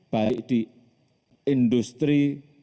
baik di industri